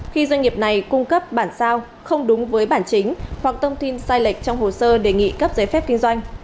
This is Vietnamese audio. khi doanh nghiệp này cung cấp bản sao không đúng với bản chính hoặc thông tin sai lệch trong hồ sơ đề nghị cấp giấy phép kinh doanh